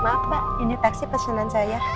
maaf pak ini taksi pesanan saya